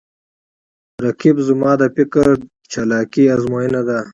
رقیب زما د فکر چالاکي آزموینه ده